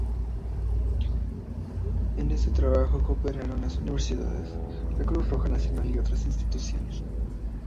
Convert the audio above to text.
En este trabajo cooperaron las universidades, la Cruz Roja Nacional y otras instituciones.